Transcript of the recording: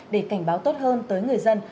để cảnh báo tốt hơn tới người dân